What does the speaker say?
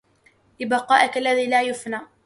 لِبَقَائِك الَّذِي لَا يَفْنَى